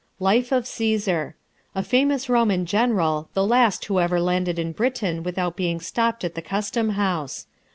Life of Caesar: A famous Roman general, the last who ever landed in Britain without being stopped at the custom house.